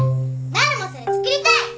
なるもそれ作りたい！